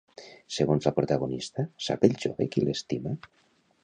Segons la protagonista, sap el jove qui l'estima?